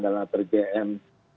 dalam atas jm